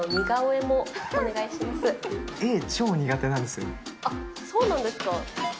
絵、あっ、そうなんですか。